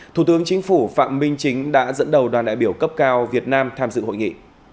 thủ tướng chính phủ phạm minh chính đã dẫn đầu đoàn đại biểu cấp cao việt nam tham dự hội nghị